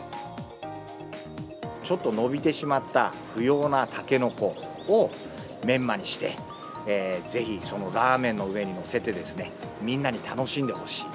ちょっと伸びてしまった不要なタケノコを、メンマにして、ぜひラーメンの上に載せてですね、みんなに楽しんでほしい。